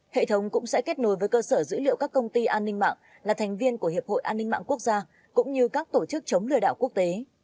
hệ thống cũng sẽ kết nối với cơ sở dữ liệu các công ty an ninh mạng là thành viên của hiệp hội an ninh mạng quốc gia cũng như các tổ chức chống lừa đảo quốc tế